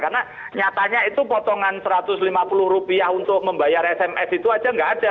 karena nyatanya itu potongan satu ratus lima puluh rupiah untuk membayar sms itu aja nggak ada